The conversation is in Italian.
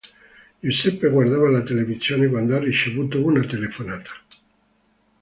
Giuseppe guardava la televisione quando ha ricevuto una telefonata.